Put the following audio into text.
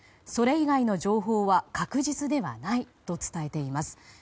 それ以外の情報は確実ではないと伝えています。